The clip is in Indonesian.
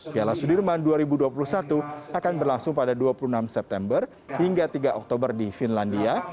piala sudirman dua ribu dua puluh satu akan berlangsung pada dua puluh enam september hingga tiga oktober di finlandia